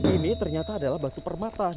ini ternyata adalah batu permata